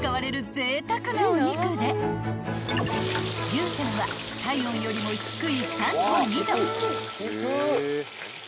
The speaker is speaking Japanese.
［融点は体温よりも低い３２℃］